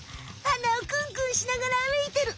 鼻をクンクンしながら歩いてる。